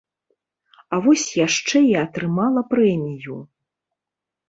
А вось яшчэ і атрымала прэмію.